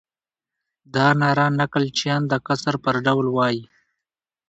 دا ناره نکل چیان د کسر پر ډول وایي.